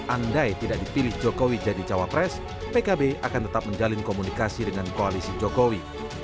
andai tidak dipilih jokowi jadi cawapres pkb akan tetap menjalin komunikasi dengan koalisi jokowi